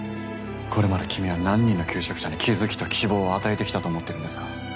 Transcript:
これまで君は何人の求職者に気付きと希望を与えてきたと思ってるんですか。